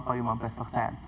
kurang lebih lima belas persen